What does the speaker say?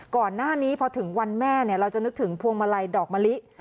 ก่อนหน้านี้พอถึงวันแม่เราจะนึกถึงพวงมาลัยดอกมะลิ